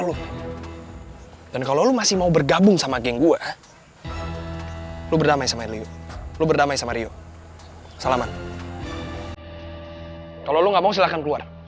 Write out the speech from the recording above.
lu dan kalau masih mau bergabung sama geng gua lu berdamai sama rio salam kalau lu enggak mau silahkan